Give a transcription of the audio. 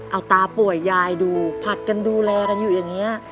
เอาตาป่วยยายดูผลัดกันดูแลกันอยู่อย่างนี้